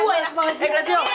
wah enak banget